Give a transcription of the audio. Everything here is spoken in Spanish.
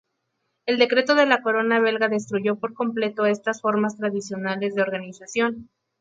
El decreto de la corona belga destruyó por completo estas formas tradicionales de organización.